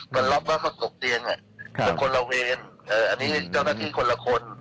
มันรับว่าเขาตกเตียงเป็นคนละเวนอันนี้เจ้าหน้าที่คนละคน